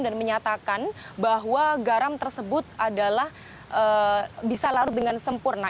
dan menyatakan bahwa garam tersebut adalah bisa larut dengan sempurna